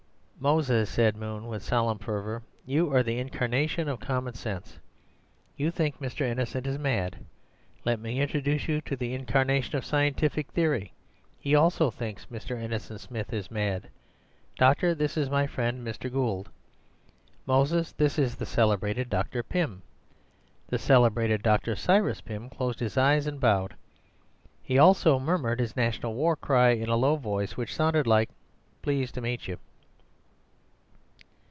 "Moses," said Moon with solemn fervour, "you are the incarnation of Common Sense. You think Mr. Innocent is mad. Let me introduce you to the incarnation of Scientific Theory. He also thinks Mr. Innocent is mad.—Doctor, this is my friend Mr. Gould.—Moses, this is the celebrated Dr. Pym." The celebrated Dr. Cyrus Pym closed his eyes and bowed. He also murmured his national war cry in a low voice, which sounded like "Pleased to meet you."